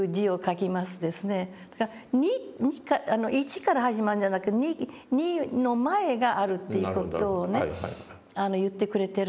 だから１から始まるんじゃなくて２の前があるっていう事をね言ってくれてるんですよね。